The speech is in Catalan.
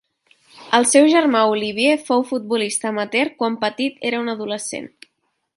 El seu germà Olivier fou futbolista amateur quan Petit era un adolescent.